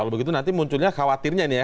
kalau begitu nanti munculnya khawatirnya ini ya